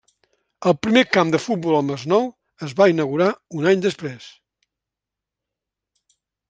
El primer camp de futbol al Masnou es va inaugurar un any després.